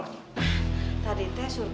pasti saya kembali